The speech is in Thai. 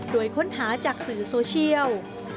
โดยค้นหาจากสื่อโซเชียล